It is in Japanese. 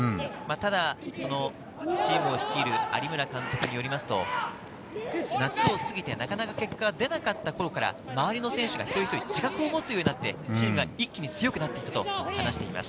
ただチームを率いる有村監督によりますと、夏を過ぎて、なかなか結果が出なかった頃から、周りの選手が一人一人自覚を持つようになってチームが一気に強くなったと話しています。